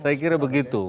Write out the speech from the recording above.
saya kira begitu